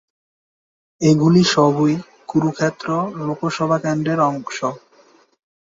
এগুলি সবই কুরুক্ষেত্র লোকসভা কেন্দ্রের অংশ।